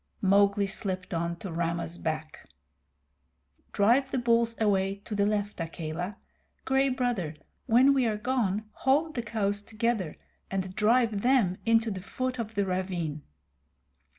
Mowgli slipped on to Rama's back. "Drive the bulls away to the left, Akela. Gray Brother, when we are gone, hold the cows together, and drive them into the foot of the ravine."